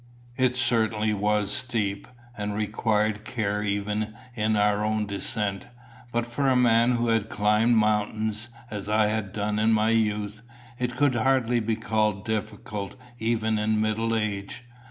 It certainly was steep, and required care even in our own descent; but for a man who had climbed mountains, as I had done in my youth, it could hardly be called difficult even in middle age.